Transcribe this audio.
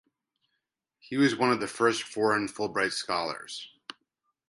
He was one of the first foreign Fulbright scholars.